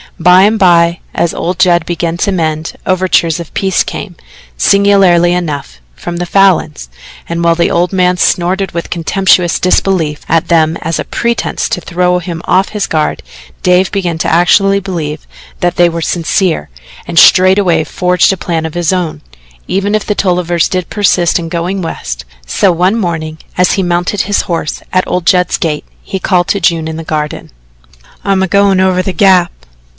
By and by, as old Judd began to mend, overtures of peace came, singularly enough, from the Falins, and while the old man snorted with contemptuous disbelief at them as a pretence to throw him off his guard, Dave began actually to believe that they were sincere, and straightway forged a plan of his own, even if the Tollivers did persist in going West. So one morning as he mounted his horse at old Judd's gate, he called to June in the garden: "I'm a goin' over to the Gap."